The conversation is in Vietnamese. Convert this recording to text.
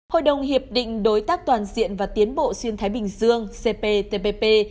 hội đồng hiệp định đối tác toàn diện và tiến bộ xuyên thái bình dương cptpp